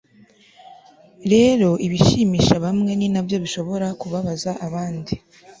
rero ibishimisha bamwe ni nabyo bishobora kubabaza abandi